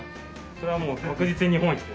それはもう確実に日本一です。